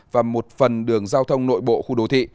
và một phần đường giao thông nội bộ khu đô thị